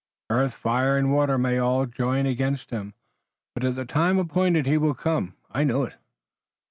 "Earth, fire and water may all join against him, but at the time appointed he will come. I know it."